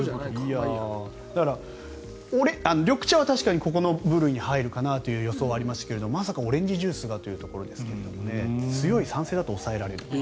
だから、緑茶は確かにここの部類に入るかなという予測がありましたがまさかオレンジジュースがというところですが強い酸性だと抑えられる。